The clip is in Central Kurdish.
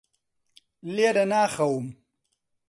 لێرە ناخەوم.